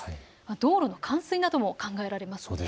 道路の冠水なども考えられます。